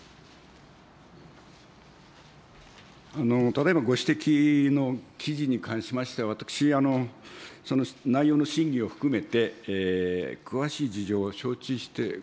ただいまご指摘の記事に関しましては私、その内容の真偽を含めて、詳しい事情を承知してございません。